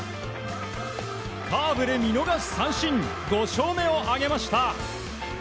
カーブで見逃し三振５勝目を挙げました。